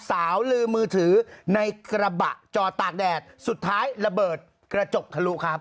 สาวลืมมือถือในกระบะจอดตากแดดสุดท้ายระเบิดกระจกทะลุครับ